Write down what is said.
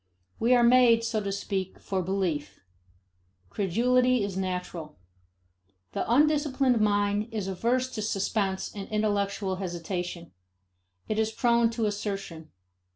We are made, so to speak, for belief; credulity is natural. The undisciplined mind is averse to suspense and intellectual hesitation; it is prone to assertion.